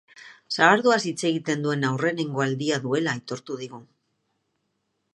Sagardoaz hitz egiten duen aurrenengo aldia duela aitortu digu.